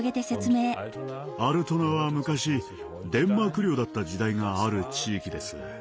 アルトナは昔デンマーク領だった時代がある地域です。